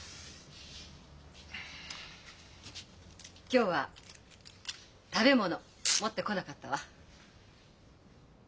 今日は食べ物持ってこなかったわ。